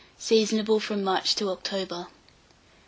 Seasonable from March to October.